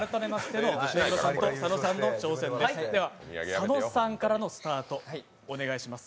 佐野さんからのスタートお願いします。